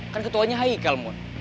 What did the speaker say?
kan ketuanya haikal mon